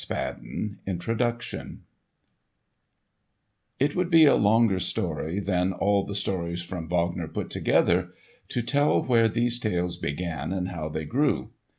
(Stella Langdale) *Introduction* It would be a longer story than all the "Stories from Wagner" put together, to tell where these tales began and how they grew.